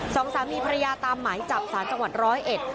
สองสามีภรรยาตามหมายจับสารจังหวัดร้อยเอ็ด